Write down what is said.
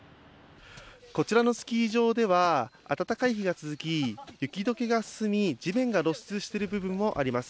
こちらのスキー場では暖かい日が続き雪解けが進み地面が露出している部分もあります。